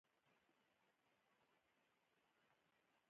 لومړی چې څوک مکې ته راځي عمره کوي.